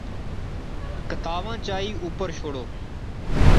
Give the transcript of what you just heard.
کتاواں چائی اوپر شوڑو